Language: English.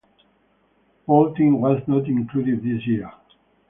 Vaulting was not included this year.